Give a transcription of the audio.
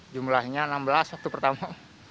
jumlahnya enam belas waktu pertama